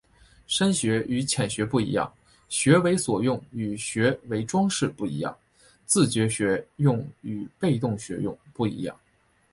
深学与浅学不一样、学为所用与学为‘装饰’不一样、自觉学用与被动学用不一样